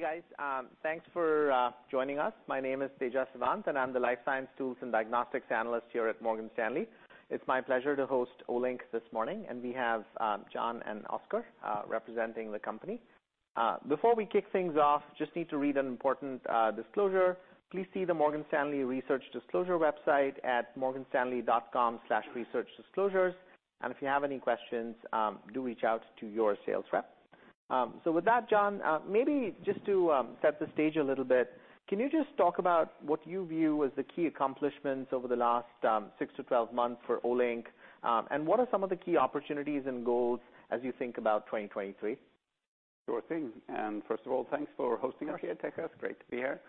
Hey guys, thanks for joining us. My name is Tejas Savant, and I'm the Life Science Tools and Diagnostics Analyst here at Morgan Stanley. It's my pleasure to host Olink this morning, and we have Jon and Oskar representing the company. Before we kick things off, just need to read an important disclosure. Please see the Morgan Stanley research disclosure website at morganstanley.com/researchdisclosures. If you have any questions, do reach out to your sales rep. With that, Jon, maybe just to set the stage a little bit, can you just talk about what you view as the key accomplishments over the last six to 12 months for Olink, and what are some of the key opportunities and goals as you think about 2023? Sure thing. First of all, thanks for hosting us here at Tech. It's great to be here.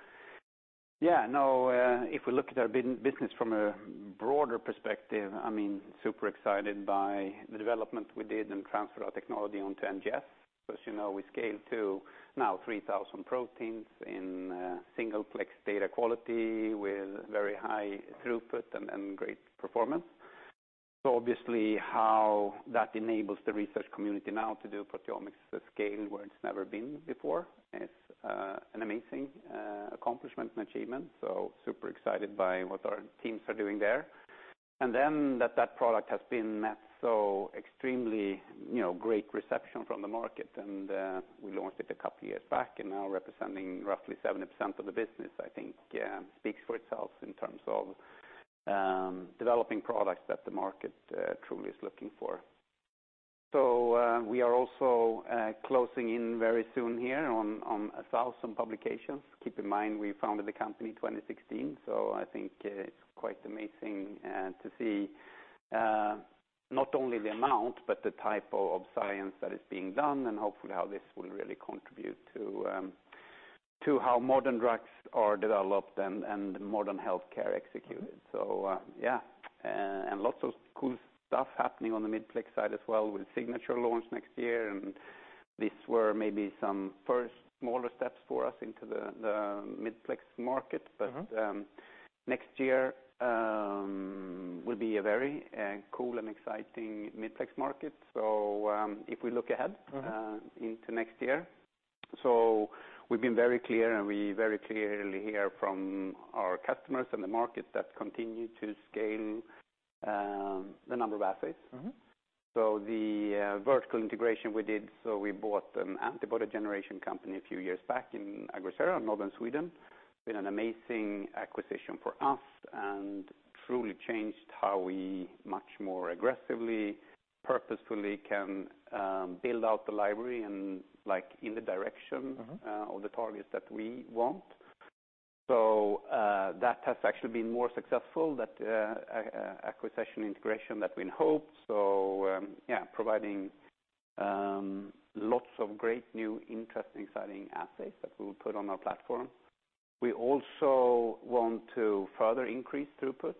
Yeah, no, if we look at our business from a broader perspective, I mean, super excited by the development we did and transfer our technology onto NGS. 'Cause, you know, we scaled to now 3,000 proteins in single-plex data quality with very high throughput and great performance. Obviously how that enables the research community now to do proteomics to scale where it's never been before is an amazing accomplishment and achievement. Super excited by what our teams are doing there. Then that product has been met so extremely, you know, great reception from the market. We launched it a couple of years back, and now representing roughly 70% of the business, I think, yeah, speaks for itself in terms of developing products that the market truly is looking for. We are also closing in very soon here on 1,000 publications. Keep in mind, we founded the company in 2016, so I think it's quite amazing to see not only the amount, but the type of science that is being done and hopefully how this will really contribute to how modern drugs are developed and modern healthcare executed. Yeah. Lots of cool stuff happening on the Midplex side as well with Signature launch next year. These were maybe some first smaller steps for us into the Midplex market. Next year will be a very cool and exciting Midplex market. If we look ahead into next year. We've been very clear, and we very clearly hear from our customers in the market that continue to scale the number of assays. The vertical integration we did, so we bought an antibody generation company a few years back in Agrisera, northern Sweden. Been an amazing acquisition for us and truly changed how we much more aggressively, purposefully can build out the library and, like, in the direction of the targets that we want. That has actually been more successful, that acquisition integration that we had hoped. Yeah, providing lots of great new interesting exciting assays that we'll put on our platform. We also want to further increase throughput.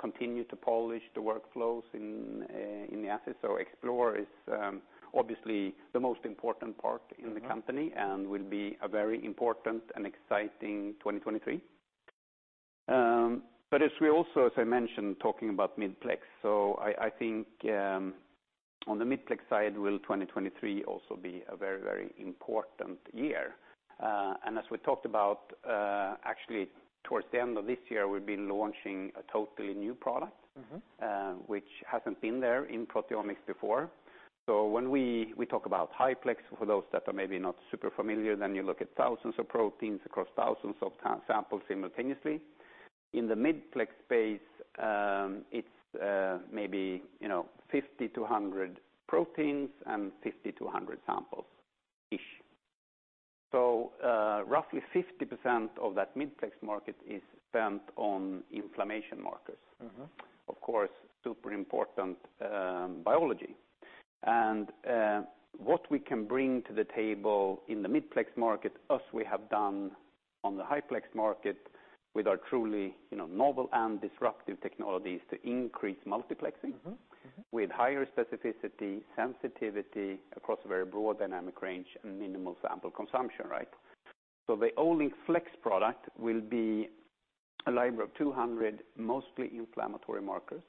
Continue to polish the workflows in the assets. Explore is obviously the most important part in the company. Will be a very important and exciting 2023. As we also, as I mentioned, talking about Midplex. I think on the Midplex side, will 2023 also be a very, very important year. As we talked about, actually towards the end of this year, we'll be launching a totally new product. Which has been there in proteomics before. When we talk about Highplex, for those that are maybe not super familiar, then you look at thousands of proteins across thousands of samples simultaneously. In the Midplex space, it's maybe, you know, 50-100 proteins and 50-100 samples-ish. Roughly 50% of that Midplex market is spent on inflammation markers. Of course, super important, biology. What we can bring to the table in the Midplex market, as we have done on the Highplex market with our truly, you know, novel and disruptive technologies to increase multiplexing. With higher specificity, sensitivity across a very broad dynamic range and minimal sample consumption, right? The Olink Flex product will be a library of 200 mostly inflammatory markers.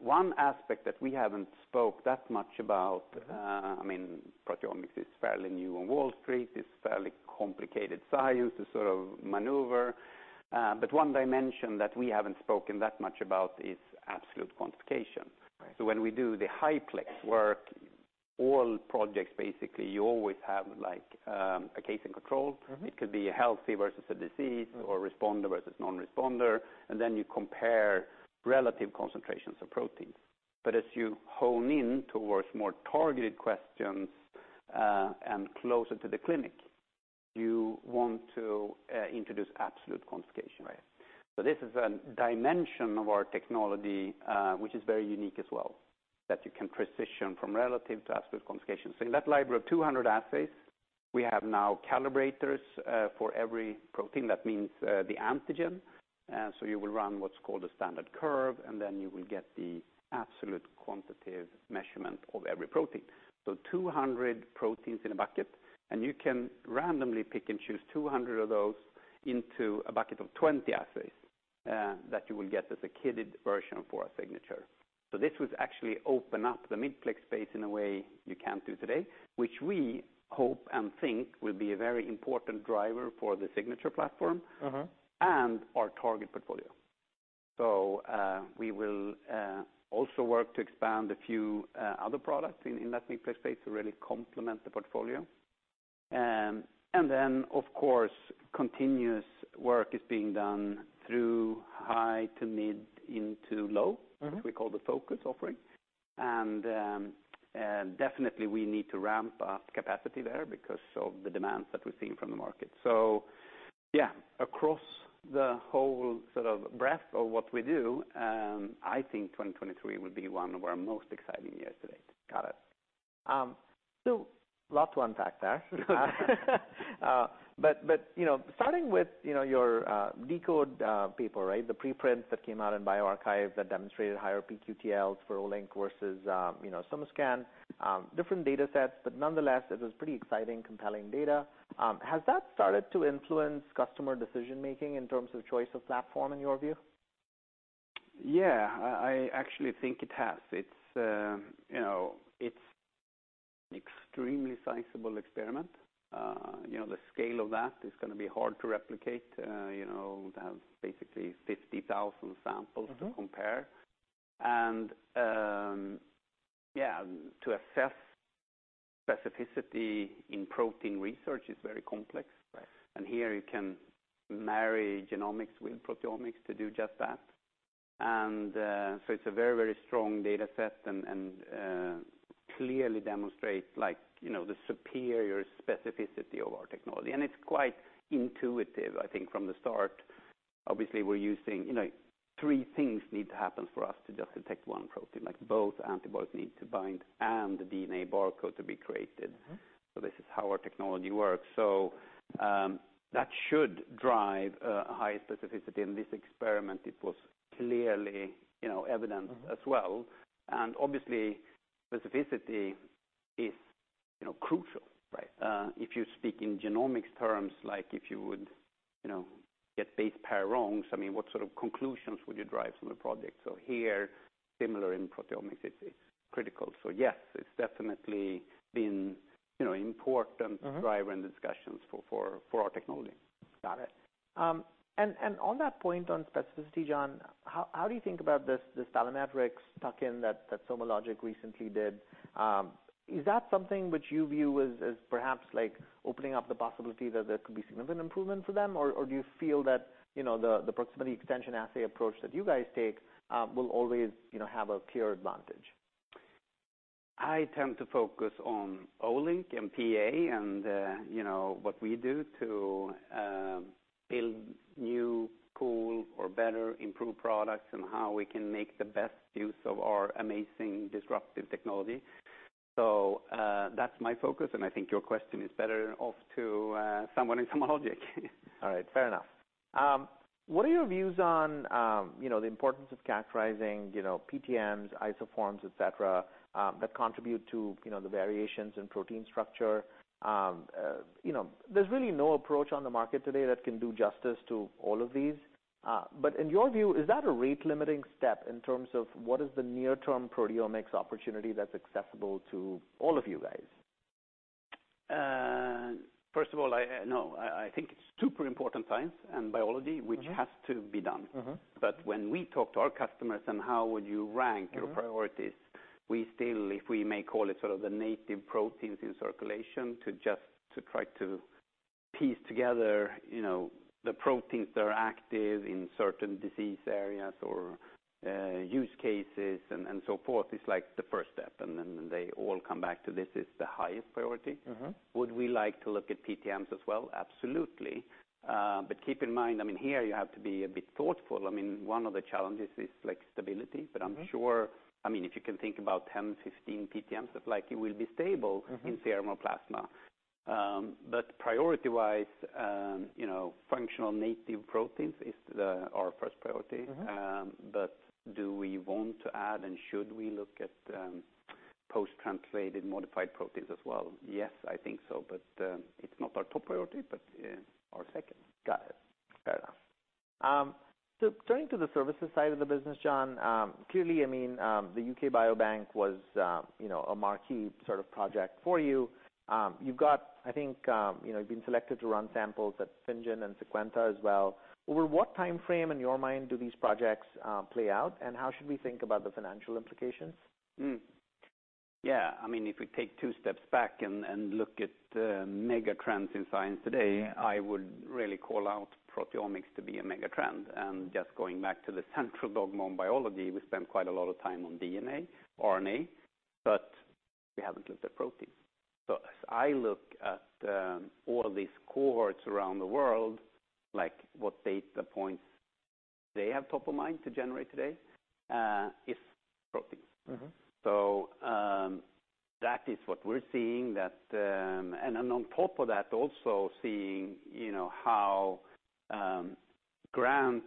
One aspect that we haven't spoke that much about, I mean, proteomics is fairly new on Wall Street. It's fairly complicated science to sort of maneuver. One dimension that we haven't spoken that much about is absolute quantification. Right. When we do the Highplex work, all projects, basically, you always have, like, a case-control. It could be a healthy versus a disease or responder versus non-responder, and then you compare relative concentrations of proteins. As you hone in towards more targeted questions, and closer to the clinic, you want to introduce absolute quantification. Right. This is a dimension of our technology, which is very unique as well, that you can transition from relative to absolute quantification. In that library of 200 assays, we have now calibrators for every protein. That means the antigen. You will run what's called a standard curve, and then you will get the absolute quantitative measurement of every protein. 200 proteins in a bucket, and you can randomly pick and choose 200 of those into a bucket of 20 assays. That you will get as a kitted version for a signature. This would actually open up the Midplex space in a way you can't do today, which we hope and think will be a very important driver for the signature platform. Our target portfolio. We will also work to expand a few other products in that Midplex space to really complement the portfolio. Of course, continuous work is being done through high to mid into low- Which we call the Focus offering. Definitely we need to ramp up capacity there because of the demands that we're seeing from the market. Yeah, across the whole sort of breadth of what we do, I think 2023 will be one of our most exciting years to date. Got it. A lot to unpack there. You know, starting with you know, your deCODE paper, right? The preprint that came out in bioRxiv that demonstrated higher pQTLs for Olink versus you know, SomaScan, different data sets, but nonetheless, it was pretty exciting, compelling data. Has that started to influence customer decision-making in terms of choice of platform in your view? Yeah. I actually think it has. It's, you know, it's extremely sizable experiment. You know, the scale of that is gonna be hard to replicate, you know, to have basically 50,000 samples. To compare. Yeah, to assess specificity in protein research is very complex. Right. Here you can marry genomics with proteomics to do just that. It's a very, very strong data set and clearly demonstrates like, you know, the superior specificity of our technology. It's quite intuitive, I think, from the start. Obviously, you know, three things need to happen for us to just detect one protein, like both antibodies need to bind and the DNA barcode to be created. This is how our technology works. That should drive high specificity. In this experiment, it was clearly, you know, evident as well. Obviously, specificity is, you know, crucial. Right. If you speak in genomics terms, like if you would, you know, get base pair wrongs, I mean, what sort of conclusions would you derive from the project? Here, similar in proteomics, it's critical. Yes, it's definitely been, you know, important. Driver in discussions for our technology. Got it. And on that point on specificity, Jon, how do you think about this Telomere Diagnostics tuck-in that SomaLogic recently did? Is that something which you view as perhaps like opening up the possibility that there could be significant improvement for them? Or do you feel that, you know, the Proximity Extension Assay approach that you guys take will always, you know, have a clear advantage? I tend to focus on Olink and PEA and, you know, what we do to build new cool or better improved products and how we can make the best use of our amazing disruptive technology. That's my focus, and I think your question is better off to someone in SomaLogic. All right. Fair enough. What are your views on, you know, the importance of characterizing, you know, PTMs, isoforms, et cetera, that contribute to, you know, the variations in protein structure? You know, there's really no approach on the market today that can do justice to all of these. In your view, is that a rate-limiting step in terms of what is the near-term proteomics opportunity that's accessible to all of you guys? First of all, I think it's super important science and biology. Which has to be done. When we talk to our customers and how would you rank? Your priorities, we still, if we may call it sort of the native proteins in circulation, to just try to piece together, you know, the proteins that are active in certain disease areas or use cases and so forth, is like the first step, and then they all come back to this is the highest priority. Would we like to look at PTMs as well? Absolutely. Keep in mind, I mean, here you have to be a bit thoughtful. I mean, one of the challenges is like stability. I'm sure, I mean, if you can think about 10, 15 PTMs, like it will be stable. In serum or plasma. Priority-wise, you know, functional native proteins is the, our first priority. Do we want to add, and should we look at, post-translationally modified proteins as well? Yes, I think so. It's not our top priority, but yeah, our second. Got it. Fair enough. Turning to the services side of the business, Jon. Clearly, I mean, the U.K. Biobank was, you know, a marquee sort of project for you. You've got, I think, you know, you've been selected to run samples at FinnGen and Sequanta as well. Over what timeframe, in your mind, do these projects play out, and how should we think about the financial implications? Yeah. I mean, if we take two steps back and look at mega trends in science today, I would really call out proteomics to be a mega trend. Just going back to the central dogma in biology, we spend quite a lot of time on DNA, RNA, but we haven't looked at protein. As I look at all of these cohorts around the world, like what data points they have top of mind to generate today, is proteins. That is what we're seeing. On top of that, also seeing, you know, how granting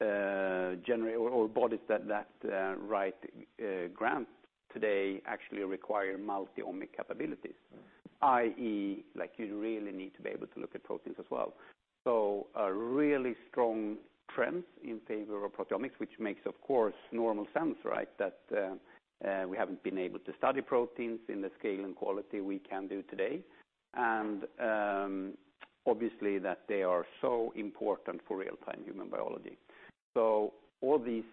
bodies that write grants today actually require multi-omics capabilities, i.e., like, you really need to be able to look at proteins as well. A really strong trend in favor of proteomics, which makes, of course, normal sense, right? That we haven't been able to study proteins in the scale and quality we can do today. Obviously, that they are so important for real-time human biology. All these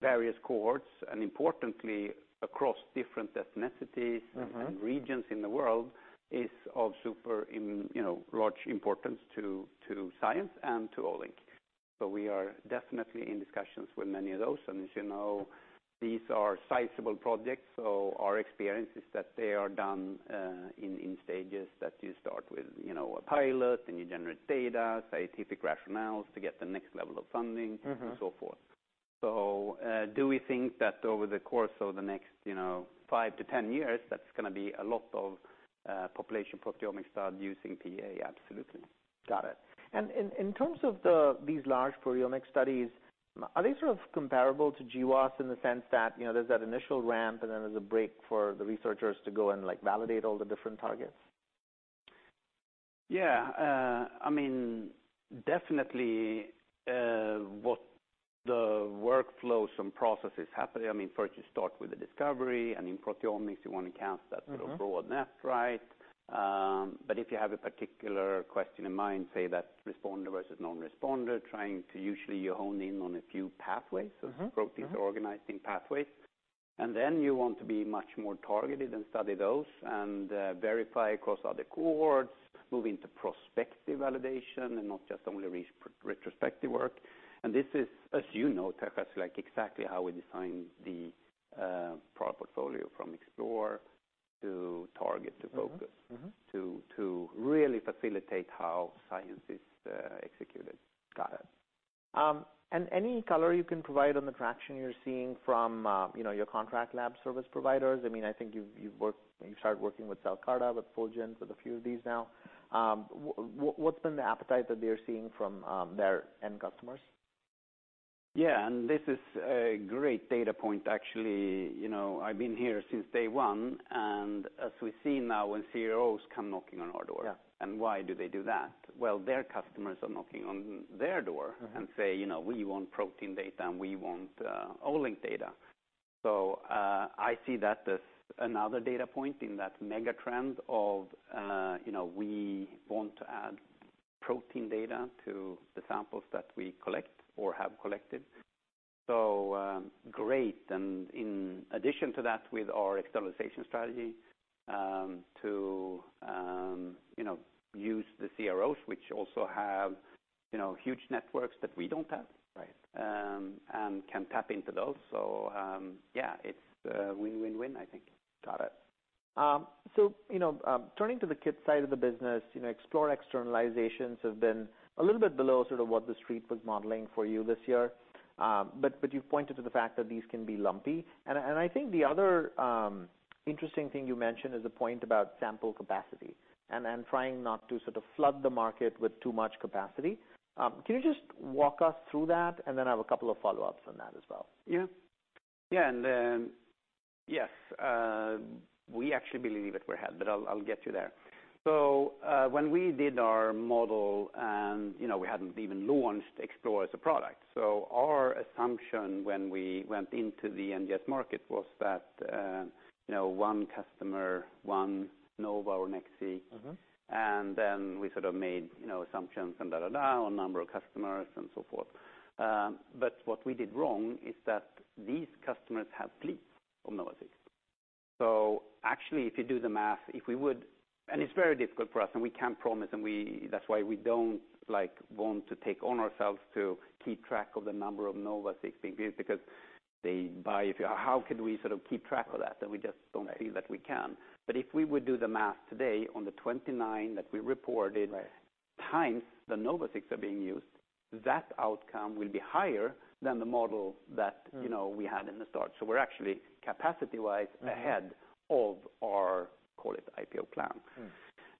various cohorts, and importantly across different ethnicities.... and regions in the world is of supreme importance to science and to Olink. We are definitely in discussions with many of those. As you know, these are sizable projects. Our experience is that they are done in stages that you start with, you know, a pilot, and you generate data, scientific rationales to get the next level of funding and so forth. Do we think that over the course of the next, you know, five to 10 years, that's gonna be a lot of population proteomics studies using PEA? Absolutely. Got it. In terms of these large proteomic studies, are they sort of comparable to GWAS in the sense that, you know, there's that initial ramp, and then there's a break for the researchers to go and, like, validate all the different targets? Yeah. I mean, definitely, what the workflows and processes happen. I mean, first you start with the discovery, and in proteomics, you wanna cast that sort of broad net, right? If you have a particular question in mind, say that responder versus non-responder, trying to usually hone in on a few pathways. Proteins organizing pathways. You want to be much more targeted and study those and verify across other cohorts, move into prospective validation and not just only retrospective work. This is, as you know, Tejas, like, exactly how we design the product portfolio from Explore to Target to Focus. To really facilitate how science is executed. Got it. Any color you can provide on the traction you're seeing from, you know, your contract lab service providers? I mean, I think you've started working with CellCarta, with Fulgent, with a few of these now. What's been the appetite that they're seeing from their end customers? Yeah. This is a great data point, actually. You know, I've been here since day one, and as we see now when CROs come knocking on our door. Yeah. Why do they do that? Well, their customers are knocking on their door, and say, "You know, we want protein data, and we want Olink data." I see that as another data point in that megatrend of you know, we want to add protein data to the samples that we collect or have collected. Great. In addition to that, with our externalization strategy, to you know, use the CROs, which also have you know, huge networks that we don't have. Right. Can tap into those. Yeah, it's win-win-win, I think. Got it. You know, turning to the kit side of the business, you know, Explore externalizations have been a little bit below sort of what the street was modeling for you this year, but you've pointed to the fact that these can be lumpy. I think the other interesting thing you mentioned is the point about sample capacity and trying not to sort of flood the market with too much capacity. Can you just walk us through that? I have a couple of follow-ups on that as well. Yes, we actually believe that we're ahead, but I'll get you there. When we did our model and, you know, we hadn't even launched Explore as a product. Our assumption when we went into the NGS market was that, you know, one customer, one NovaSeq or NextSeq. We sort of made, you know, assumptions on number of customers and so forth. But what we did wrong is that these customers have fleets of NovaSeq 6000. Actually, if you do the math. It's very difficult for us, and we can't promise, that's why we don't want to take on ourselves to keep track of the number of NovaSeq 6000 being used because they buy a few. How could we sort of keep track of that? We just don't- Right ....feel that we can. If we would do the math today on the 29 that we reported. Right times the NovaSeq 6000 are being used, that outcome will be higher than the model that You know, we had in the start. We're actually capacity-wise- Ahead of our, call it, IPO plan.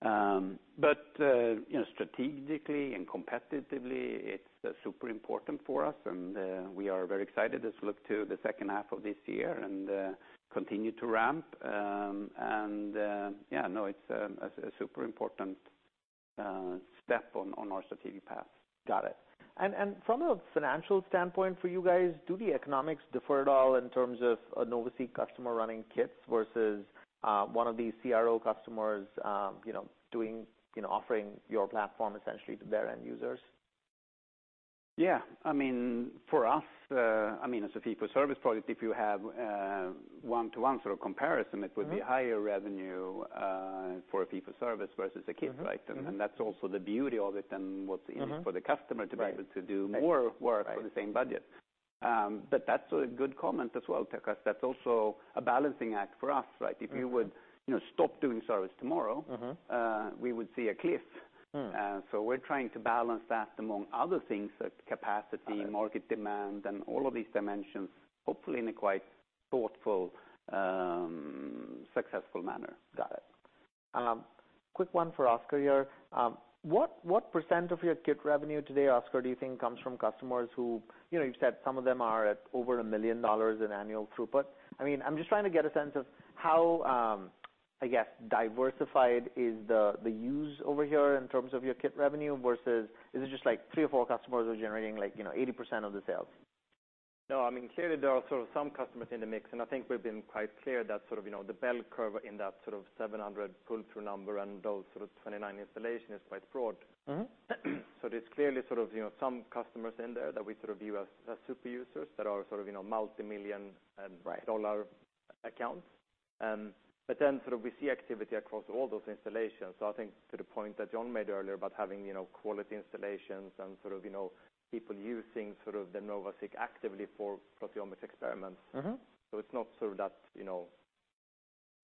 You know, strategically and competitively, it's super important for us, and we are very excited as we look to the second half of this year and continue to ramp. It's a super important step on our strategic path. Got it. From a financial standpoint for you guys, do the economics differ at all in terms of a NovaSeq 6000 customer running kits versus one of these CRO customers, you know, doing, you know, offering your platform essentially to their end users? Yeah. I mean, for us, I mean, as a fee-for-service product, if you have one-to-one sort of compariso, it would be higher revenue, for a fee for service versus a kit, right? that'sTalso the beauty of it and what's in for the customer to be able- Right ...to do more work- Right... for the same budget. That's a good comment as well, Tejas. That's also a balancing act for us, right? If you would, you know, stop doing service tomorrow. We would see a cliff. We're trying to balance that among other things like capacity- Got it. ...market demand, and all of these dimensions, hopefully in a quite thoughtful, successful manner. Got it. Quick one for Oskar here. What percent of your kit revenue today, Oskar, do you think comes from customers who, you know, you've said some of them are at over $1 million in annual throughput? I mean, I'm just trying to get a sense of how, I guess, diversified is the use over here in terms of your kit revenue versus is it just like three or four customers are generating like, you know, 80% of the sales? No, I mean, clearly there are sort of some customers in the mix, and I think we've been quite clear that sort of, you know, the bell curve in that sort of 700 pull-through number and those sort of 29 installation is quite broad. There's clearly sort of, you know, some customers in there that we sort of view as super users that are sort of, you know, multi-million- Right ....dollar accounts. then sort of we see activity across all those installations. I think to the point that Jon made earlier about having, you know, quality installations and sort of, you know, people using sort of the NovaSeq actively for proteomics experiments. It's not sort of that, you know,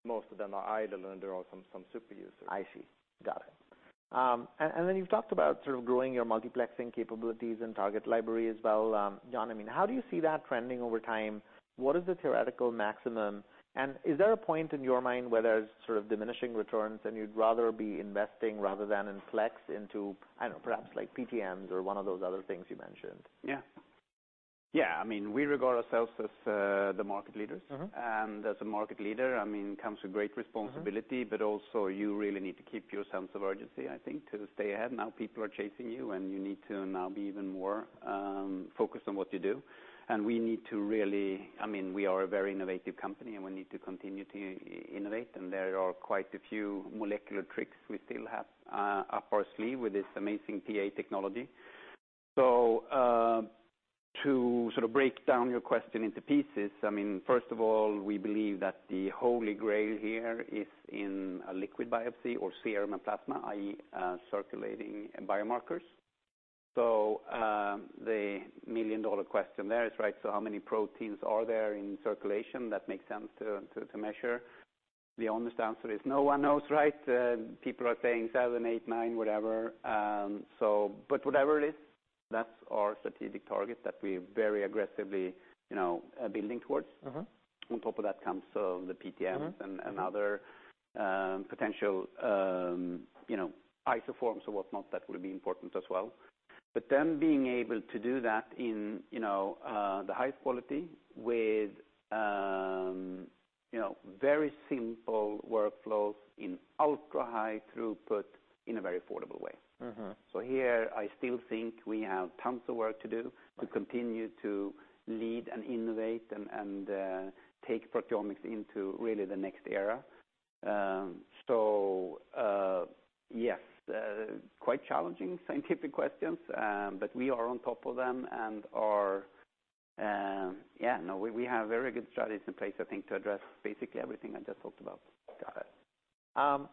most of them are idle, and there are some super users. I see. Got it. You've talked about sort of growing your multiplexing capabilities and target library as well. Jon, I mean, how do you see that trending over time? What is the theoretical maximum? Is there a point in your mind where there's sort of diminishing returns and you'd rather be investing rather than in plex into, I don't know, perhaps like PTMs or one of those other things you mentioned? Yeah. I mean, we regard ourselves as the market leaders. As a market leader, I mean, comes with great responsibility but also you really need to keep your sense of urgency, I think, to stay ahead. Now people are chasing you, and you need to now be even more focused on what you do. We need to really, I mean, we are a very innovative company, and we need to continue to innovate, and there are quite a few molecular tricks we still have up our sleeve with this amazing PEA technology. To sort of break down your question into pieces, I mean, first of all, we believe that the holy grail here is in a liquid biopsy or serum and plasma, i.e., circulating biomarkers. The million-dollar question there is, right, so how many proteins are there in circulation that make sense to measure? The honest answer is no one knows, right? People are saying seven, eight, nine, whatever. Whatever it is, that's our strategic target that we very aggressively, you know, are building towards. On top of that comes the PTMs. Other potential, you know, isoforms or whatnot that will be important as well. Being able to do that in, you know, the highest quality with, you know, very simple workflows in ultra-high throughput in a very affordable way. Here, I still think we have tons of work to do- Right... to continue to lead and innovate and take proteomics into really the next era. So, yes, quite challenging scientific questions, but we are on top of them. Yeah, no, we have very good strategies in place, I think, to address basically everything I just talked about. Got it.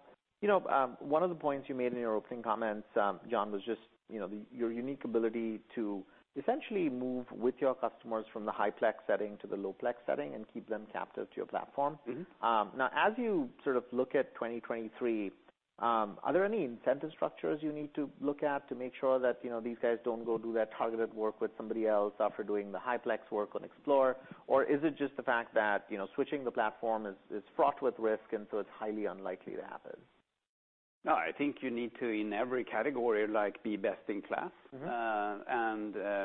You know, one of the points you made in your opening comments, Jon, was just, you know, the, your unique ability to essentially move with your customers from the high-plex setting to the low-plex setting and keep them captive to your platform. Now, as you sort of look at 2023, are there any incentive structures you need to look at to make sure that, you know, these guys don't go do that targeted work with somebody else after doing the high-plex work on Explore? Or is it just the fact that, you know, switching the platform is fraught with risk, and so it's highly unlikely to happen? No, I think you need to, in every category, like, be best in class.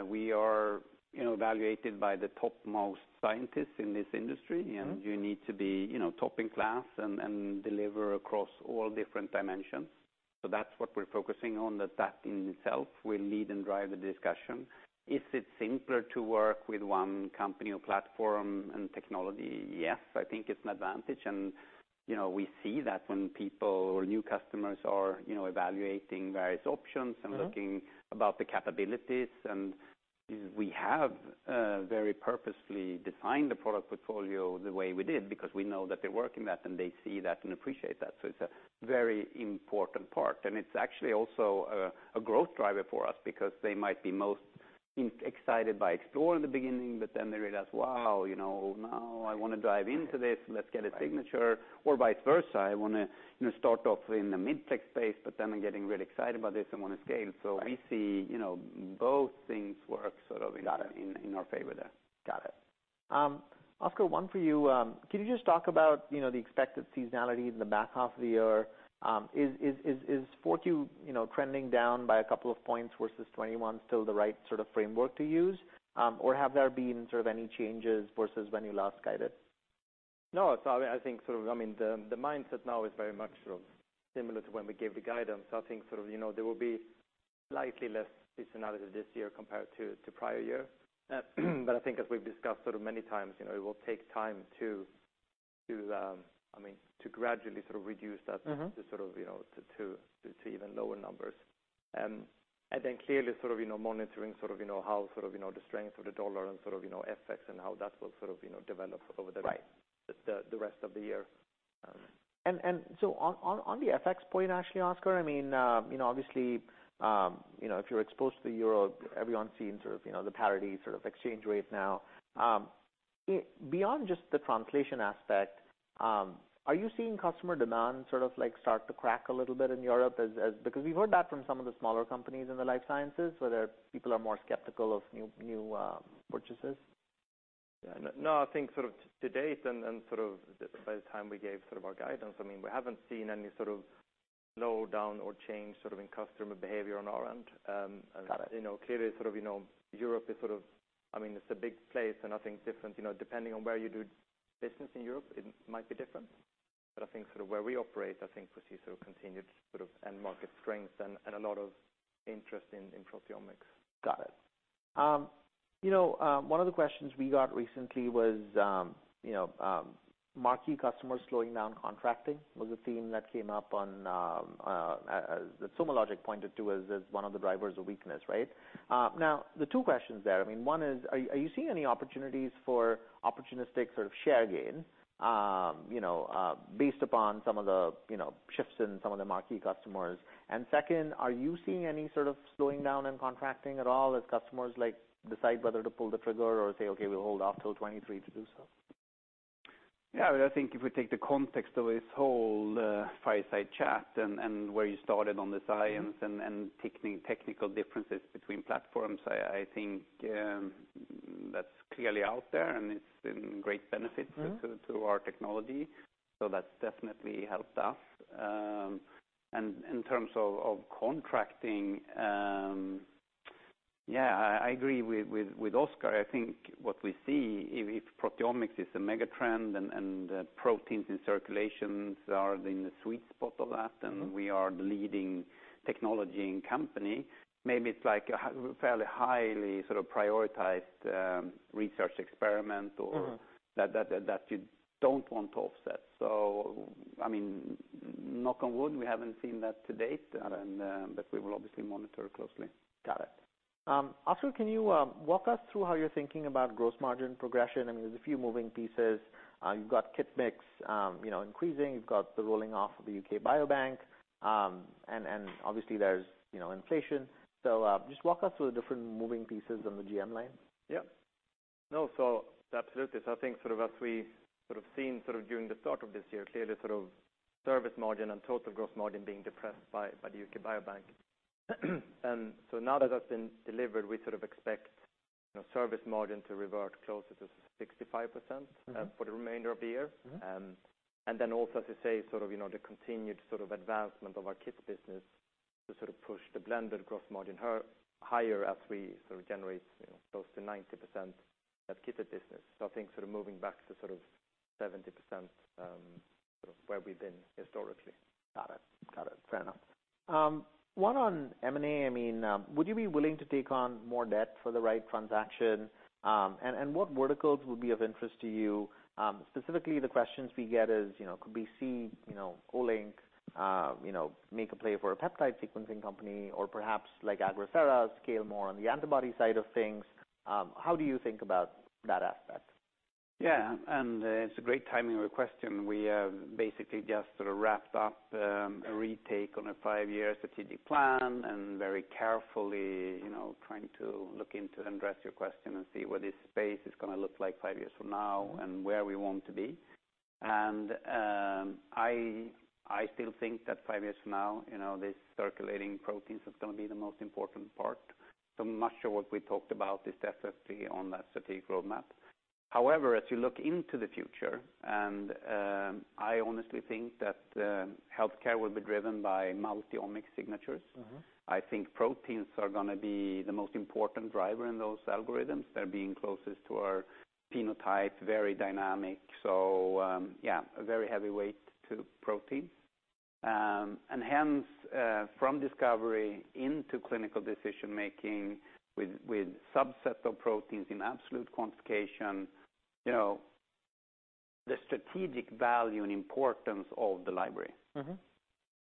We are, you know, evaluated by the topmost scientists in this industry. You need to be, you know, top in class and deliver across all different dimensions. That's what we're focusing on, that in itself will lead and drive the discussion. Is it simpler to work with one company or platform and technology? Yes. I think it's an advantage. You know, we see that when people or new customers are, you know, evaluating various options. Looking at the capabilities. We have very purposefully designed the product portfolio the way we did because we know that they work in that, and they see that and appreciate that. It's a very important part, and it's actually also a growth driver for us because they might be most excited by Explore in the beginning, but then they realize, wow, you know, now I wanna dive into this. Right. Let's get a Signature. Vice versa, I wanna, you know, start off in the Midplex space, but then I'm getting really excited about this and wanna scale. Right. We see, you know, both things work sort of- Got it. ...in our favor there. Got it. Oskar, one for you. Can you just talk about, you know, the expected seasonality in the back half of the year? Is 4Q, you know, trending down by a couple of points versus 2021 still the right sort of framework to use? Have there been sort of any changes versus when you last guided? No. I think sort of, I mean, the mindset now is very much sort of similar to when we gave the guidance. I think sort of, you know, there will be slightly less seasonality this year compared to prior year. I think as we've discussed sort of many times, you know, it will take time to gradually sort of reduce that.... to sort of, you know, to even lower numbers. Clearly sort of, you know, monitoring sort of, you know, how sort of, you know, the strength of the dollar and sort of, you know, FX and how that will sort of, you know, develop over the- Right ...the rest of the year On the FX point, actually, Oskar, I mean, you know, obviously, you know, if you're exposed to Europe, everyone's seen sort of, you know, the parity sort of exchange rate now. Beyond just the translation aspect, are you seeing customer demand sort of like start to crack a little bit in Europe? Because we've heard that from some of the smaller companies in the life sciences, whether people are more skeptical of new purchases. No, I think sort of to date, and sort of by the time we gave sort of our guidance, I mean, we haven't seen any sort of letdown or change sort of in customer behavior on our end. You know, clearly sort of, you know, Europe is sort of, I mean, it's a big place and it's different, you know, depending on where you do business in Europe, it might be different. I think sort of where we operate, I think we see sort of continued sort of end market strength and a lot of interest in proteomics. Got it. You know, one of the questions we got recently was, you know, marquee customers slowing down contracting was a theme that came up on, that SomaLogic pointed to as one of the drivers of weakness, right? Now the two questions there, I mean, one is, are you seeing any opportunities for opportunistic sort of share gain, you know, based upon some of the, you know, shifts in some of the marquee customers? And second, are you seeing any sort of slowing down and contracting at all as customers like decide whether to pull the trigger or say, "Okay, we'll hold off till 2023 to do so? Yeah. I think if we take the context of this whole fireside chat and where you started on the science and technical differences between platforms, I think that's clearly out there, and it's been great benefit to our technology. That's definitely helped us. In terms of contracting, yeah, I agree with Oskar. I think what we see, if proteomics is a mega trend and proteins in circulation are in the sweet spot of that, and we are the leading technology and company, maybe it's like a fairly highly sort of prioritized research experiment or that you don't want to offset. I mean, knock on wood, we haven't seen that to date. We will obviously monitor closely. Got it. Oskar, can you walk us through how you're thinking about gross margin progression? I mean, there's a few moving pieces. You've got kit mix, you know, increasing. You've got the rolling off of the U.K. Biobank. And obviously there's, you know, inflation. Just walk us through the different moving pieces on the GM line. I think sort of as we sort of seen sort of during the start of this year, clearly sort of service margin and total gross margin being depressed by the U.K. Biobank. Now that that's been delivered, we sort of expect, you know, service margin to revert closer to 65%, for the remainder of the year. And then also to say sort of, you know, the continued sort of advancement of our kit business to sort of push the blended gross margin higher as we sort of generate, you know, close to 90% of kitted business. I think sort of moving back to sort of 70%, sort of where we've been historically. Got it. Fair enough. One on M&A. I mean, would you be willing to take on more debt for the right transaction? And what verticals would be of interest to you? Specifically the questions we get is, you know, could we see, you know, Olink make a play for a peptide sequencing company or perhaps like Agrisera scale more on the antibody side of things? How do you think about that aspect? Yeah. It's a great timing of a question. We basically just sort of wrapped up a retake on a five-year strategic plan and very carefully, you know, trying to look into and address your question and see what this space is gonna look like five years from now and where we want to be. I still think that five years from now, you know, this circulating proteins is gonna be the most important part. So much of what we talked about is definitely on the strategic roadmap. However, as you look into the future, I honestly think that healthcare will be driven by multi-omics signatures. I think proteins are gonna be the most important driver in those algorithms. They're being closest to our phenotype, very dynamic. Yeah, a very heavy weight to protein. Hence, from discovery into clinical decision-making with subset of proteins in absolute quantification, you know, the strategic value and importance of the library.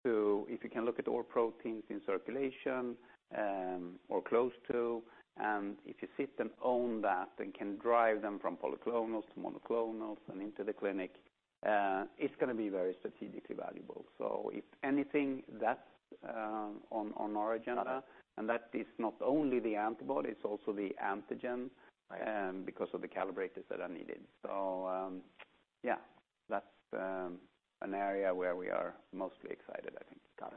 If you can look at all proteins in circulation, or close to, and if you sit them on that and can drive them from polyclonals to monoclonals and into the clinic, it's gonna be very strategically valuable. If anything that's on our agenda- Got it. ...that is not only the antibody, it's also the antigen- Right. ...because of the calibrators that are needed. Yeah, that's an area where we are mostly excited, I think. Got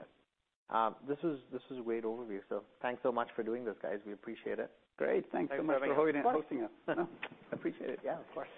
it. This was a great overview. Thanks so much for doing this, guys. We appreciate it. Great. Thanks so much for hosting us. Appreciate it. Yeah, of course.